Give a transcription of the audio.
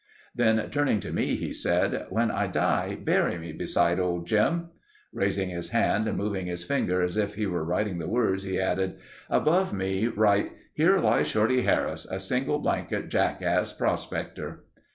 Then turning to me, he said: "When I die bury me beside old Jim." Raising his hand and moving his finger as if he were writing the words, he added: "Above me write, 'Here lies Shorty Harris, a single blanket jackass prospector.